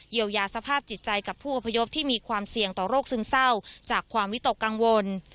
เยียวยาสภาพจิตใจกับผู้อพยพที่มีความเสี่ยงต่อโรคซึมเศร้าจากความวิตกกังวล